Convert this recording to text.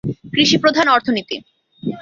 কৃষিপ্রধান অর্থনীতি।